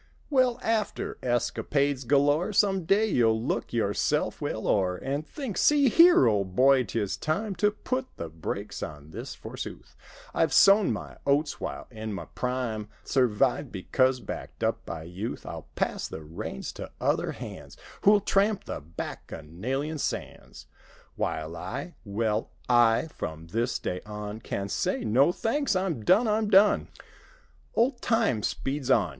Well, after escapades galore. Some day you'll look yourself well o'er And think—"See here, old boy, 'tis time To put the brakes on this forsooth: I've sown my oats while in my prime. Survived, because backed up by youth; I'll pass the reigns to other hands Who'll tramp the Bacchanalian sands; While I—^well, I—from this day on Can say, 'No, thanks; I'm done. I'm done!' " Old time speeds on.